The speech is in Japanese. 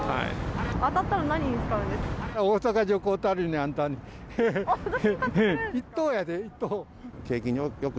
当たったら何に使うんですか？